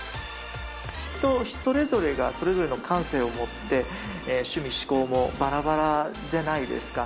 人それぞれがそれぞれの感性を持って趣味し好もばらばらじゃないですか。